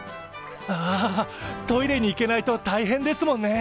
ああトイレに行けないと大変ですもんね！